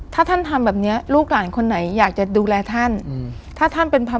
ถ้าท่านทำแบบเนี้ยลูกหลานคนไหนอยากจะดูแลท่านอืมถ้าท่านเป็นพระ